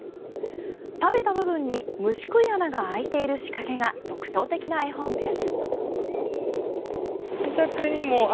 食べた部分に虫食い穴が開いている仕掛けが特徴的な絵本です。